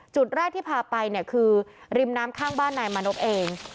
จุดแรกที่พาไปเนี่ยคือริมน้ำข้างบ้านนายมานพเอง